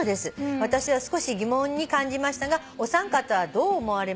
「私は少し疑問に感じましたがお三方はどう思われますか？」